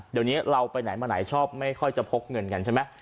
เดี๋ยวเราไปไหนชอบไม่พ็งเงินกันใช่ไหม